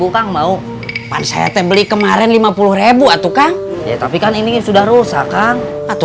dua puluh lima kang mau pancetnya beli kemarin lima puluh atau kang ya tapi kan ini sudah rusak kang atau